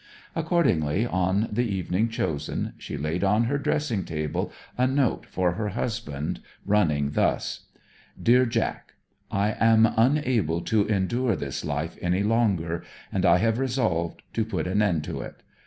Accordingly, on the evening chosen, she laid on her dressing table a note for her husband, running thus: DEAR JACK I am unable to endure this life any longer, and I have resolved to put an end to it.